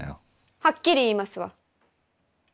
はっきり言いますわ。